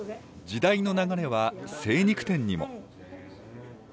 時代の流れは精肉店にも。